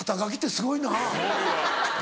すごいわ。